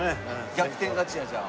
逆転勝ちやじゃあ。